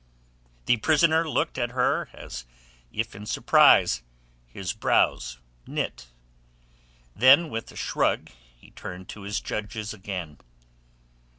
The prisoner looked at her as if in surprise, his brows knit. Then with a shrug he turned to his judges again.